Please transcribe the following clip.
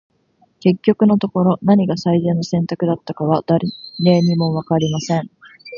•結局のところ、何が最善の選択だったのかは、誰にも分かりません。